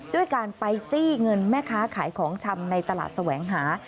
ด้วยการไปจี้เงินแม่ค้าขายของชำในตลาดแสวงหา